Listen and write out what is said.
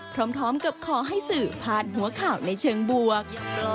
พร้อมกับขอให้สื่อผ่านหัวข่าวในเชิงบวก